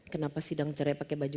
kenapa sidang cerai pakai baju